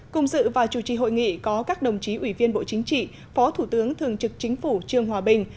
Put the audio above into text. cùng dự và chủ trì hội nghị có các đồng chí ủy viên bộ chính trị phó thủ tướng thường trực chính phủ trương hòa bình